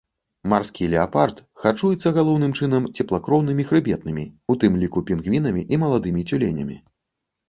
Марскі леапард харчуецца галоўным чынам цеплакроўнымі хрыбетнымі, у тым ліку пінгвінамі і маладымі цюленямі.